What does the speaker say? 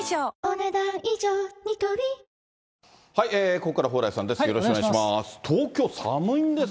ここからは蓬莱さんです。